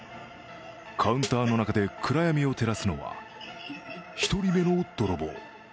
カウンターの中で暗闇を照らすのは１人目の泥棒。